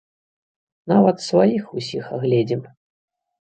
Нават сваіх усіх агледзім.